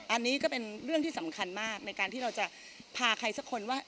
อันนี้ก็เป็นเรื่องที่สำคัญมากในการที่เราจะพาใครสักคนว่า